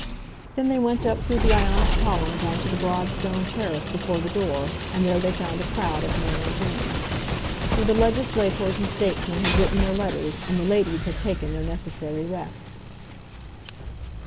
Then they went up through the Ionic columns on to the broad stone terrace before the door, and there they found a crowd of men and women. For the legislators and statesmen had written their letters, and the ladies had taken their necessary rest.